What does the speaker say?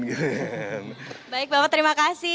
tapi kali ini enaknya di hutan tapi dingin